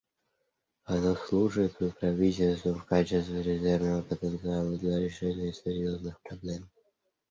Оно служит правительствам в качестве резервного потенциала для решения серьезных проблем.